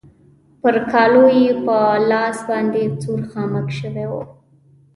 پر کالو يې په لاس باندې سور خامک شوی و.